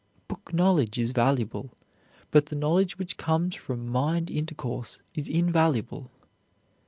Book knowledge is valuable, but the knowledge which comes from mind intercourse is invaluable.